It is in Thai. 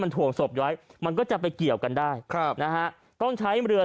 ถ่วงศพไว้มันก็จะไปเกี่ยวกันได้ครับนะฮะต้องใช้เรือ